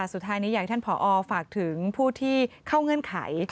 สุดท้ายนี้อยากให้ท่านผอฝากถึงผู้ที่เข้าเงื่อนไข